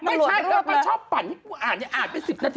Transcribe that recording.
ไม่ใช่มันชอบปั่นอ่านไป๑๐นาทีแล้วยังไม่จบข่าว